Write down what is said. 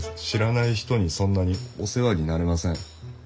知らない人にそんなにお世話になれません。